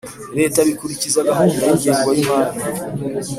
Leta bikurikiza gahunda y ingengo y imari